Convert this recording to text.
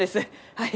はい。